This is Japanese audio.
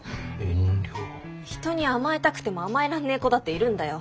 人に甘えたくても甘えらんねえ子だっているんだよ。